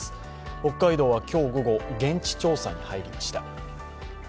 北海道は今日午後、現地調査に入りました。